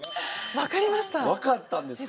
わかったんですか？